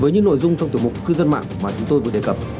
với những nội dung trong tiểu mục cư dân mạng mà chúng tôi vừa đề cập